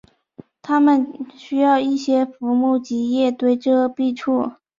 它们需要一些浮木及叶堆遮蔽处。